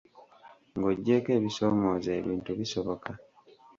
Ng'oggyeko ebisoomooza, ebintu bisoboka.